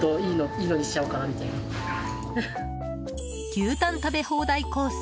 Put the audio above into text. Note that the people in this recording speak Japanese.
牛タン食べ放題コース。